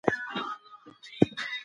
له ظالم سره مرسته کول ګناه ده.